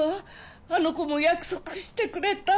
あの子も約束してくれた。